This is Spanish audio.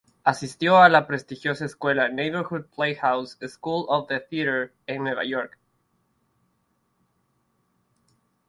Asistió a la prestigiosa escuela "Neighborhood Playhouse School of the Theatre" en Nueva York.